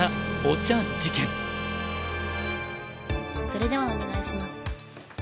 それではお願いします。